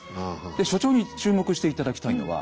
で所長に注目して頂きたいのは。